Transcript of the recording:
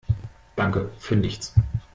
Danke für nichts!